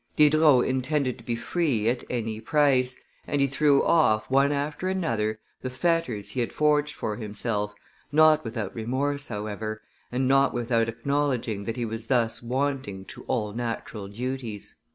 Diderot intended to be free at any price, and he threw off, one after another, the fetters he had forged for himself, not without remorse, however, and not without acknowledging that he was thus wanting to all natural duties.